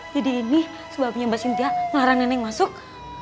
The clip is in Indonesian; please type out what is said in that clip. jadi ini sebabnya mbak sintia melarang nenek masuk